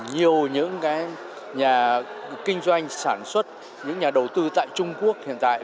nhiều những nhà kinh doanh sản xuất những nhà đầu tư tại trung quốc hiện tại